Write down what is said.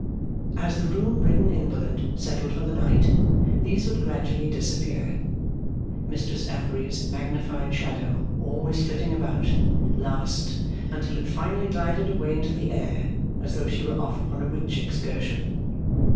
As the room ridden invalid settled for the night, these would gradually disappear: Mistress Affery's magnified shadow always flitting about, last, until it finally glided away into the air, as though she were off upon a witch excursion.